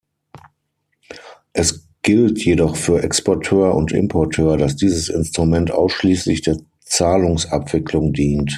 Es gilt jedoch für Exporteur und Importeur, dass dieses Instrument ausschließlich der Zahlungsabwicklung dient.